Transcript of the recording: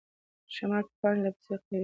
شمال به پاڼه لا پسې قوي کړي.